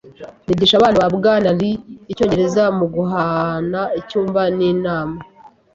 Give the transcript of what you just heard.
Nigisha abana ba Bwana Lee icyongereza muguhana icyumba ninama.